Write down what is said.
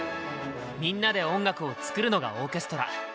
みんなで音楽を作るのがオーケストラ。